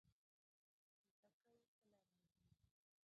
توتکۍ کله راځي؟